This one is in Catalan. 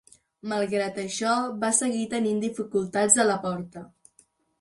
Malgrat això, va seguir tenint dificultats a la porta.